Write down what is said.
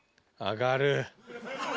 上がる！